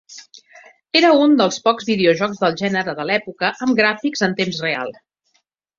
Era un dels pocs videojocs del gènere de l'època amb gràfics en temps real.